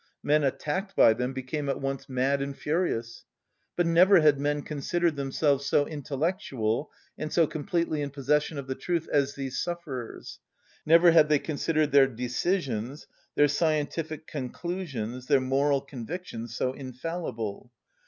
Men attacked by them became at once mad and furious. But never had men considered themselves so intellectual and so completely in possession of the truth as these sufferers, never had they considered their decisions, their scientific conclusions, their moral convictions so infallible.